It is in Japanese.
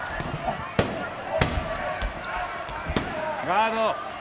ガード！